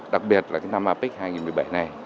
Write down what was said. đặc biệt là cái năm apec hai nghìn một mươi bảy này